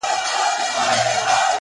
د مچانو او ډېوې یې سره څه,